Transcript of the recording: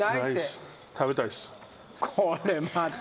これまた。